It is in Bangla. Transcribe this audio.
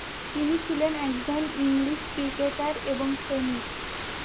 তিনি ছিলেন একজন ইংলিশ ক্রিকেটার এবং সৈনিক।